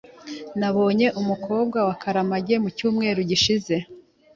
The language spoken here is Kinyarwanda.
Nabonye umukobwa wa Karamage mu cyumweru gishize.